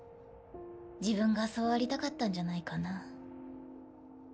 自分がそうありたかったんじゃないかな。